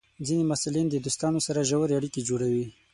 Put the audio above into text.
ځینې محصلین د دوستانو سره ژورې اړیکې جوړوي.